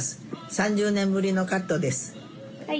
３０年ぶりのカットです。